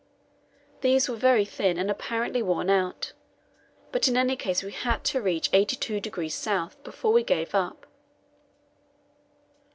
These were very thin, and apparently worn out; but in any case we had to reach 82° S. before we gave up.